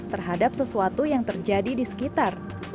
terhadap sesuatu yang terjadi di sekitar